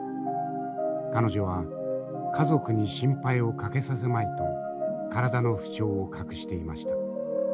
彼女は家族に心配をかけさせまいと体の不調を隠していました。